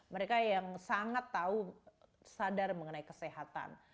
mereka yang sangat tahu sadar mengenai kesehatan